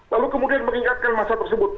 lalu kemudian mengingatkan masa tersebut